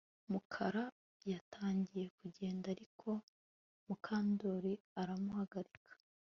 Mukara yatangiye kugenda ariko Mukandoli aramuhagarika